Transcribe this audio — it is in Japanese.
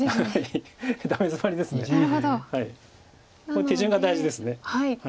これ手順が大事です。